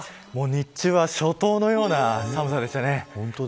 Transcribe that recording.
日朝は初冬のような寒さでしたね。